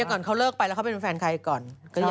ก่อนเขาเลิกไปแล้วเขาเป็นแฟนใครก่อน